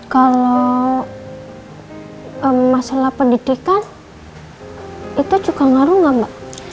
kalau masalah pendidikan itu juga ngaruh gak mbak